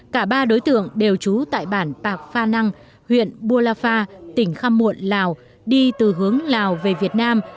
cả ba đối tượng đều trú tại bản bạc pha năng huyện bua pha tỉnh khăm muộn lào đi từ hướng lào về việt nam